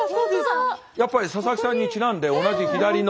やっぱり佐々木さんにちなんで同じ左の。